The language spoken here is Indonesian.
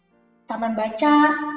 tapi berkat adanya taman baca